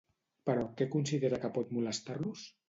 Però què considera que pot molestar-los?